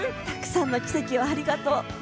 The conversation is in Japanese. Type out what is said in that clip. たくさんの奇跡をありがとう。